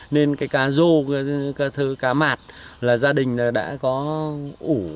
nên cái cá rô cái thứ cá mạt là gia đình đã có ủ